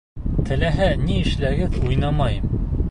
Теләһә ни эшләгеҙ, уйнамайым!